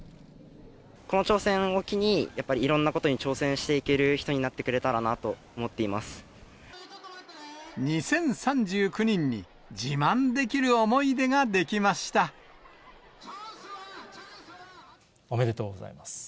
この挑戦を機に、やっぱりいろんなことに挑戦していける人になってくれたらなと思２０３９人に自慢できる思いおめでとうございます。